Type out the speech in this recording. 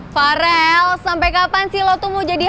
masa sekarang lu berubah sih